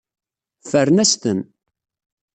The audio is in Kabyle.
Ffren-as-ten.